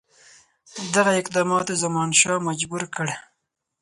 دغه اقداماتو زمانشاه مجبور کړ.